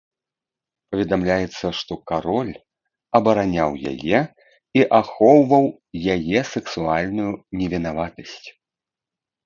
Паведамляецца, што кароль абараняў яе і ахоўваў яе сэксуальную невінаватасць.